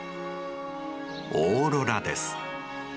オーロラです。